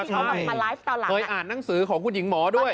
ใช่เคยอ่านหนังสือของคุณหญิงหมอด้วย